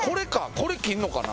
これ切んのかな？